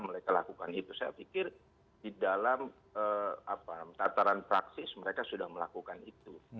mereka lakukan itu saya pikir di dalam tataran praksis mereka sudah melakukan itu